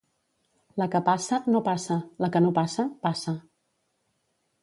La que passa, no passa: la que no passa, passa.